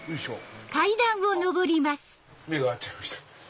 あっ目が合っちゃいました。